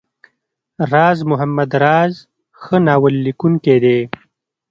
راز محمد راز ښه ناول ليکونکی دی.